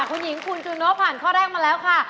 คุณหญิงคุณจูโนผ่านข้อแรกมาแล้วค่ะ